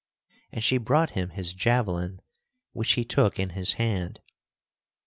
And she brought him his javelin which he took in his hand.